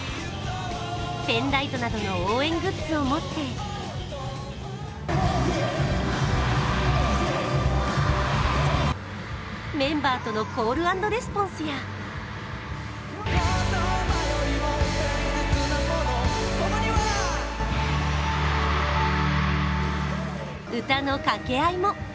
ペンライトなどの応援グッズを持ってメンバーとのコールアンドレスポンスや歌の掛け合いも。